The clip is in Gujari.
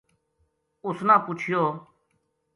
اس نا پُچھیو